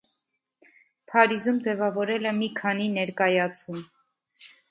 Փարիզում ձևավորել է մի քանի ներկայացում։